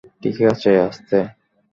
ঠিক আছে, আস্তে।